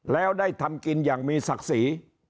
แล้วได้ทำกินอย่างมีศักดิ์ศรี